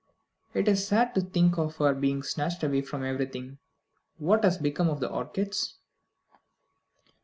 It is sad to think of her being snatched away from everything. What has become of the orchids?"